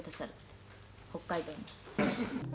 「北海道の」